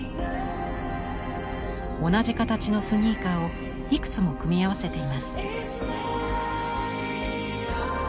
同じ形のスニーカーをいくつも組み合わせています。